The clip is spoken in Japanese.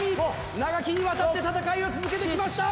長きにわたって戦いを続けてきました！